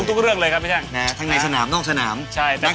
ทุกเรื่องเลยครับนี่ใช่นะน่ะทั้งในสนามนอกสนามใช่